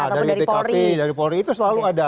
dari polri dari polri itu selalu ada